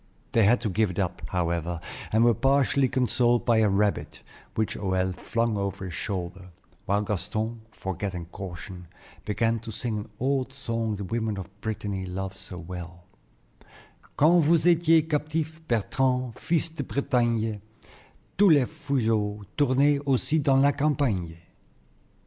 They had to give it up, however, and were partially consoled by a rabbit, which Hoël flung over his shoulder, while Gaston, forgetting caution, began to sing an old song the women of Brittany love so well: "Quand vous étiez, captif, Bertrand, fils de Bretagne, Tous les fuseaux tournaient aussi dans la campagne."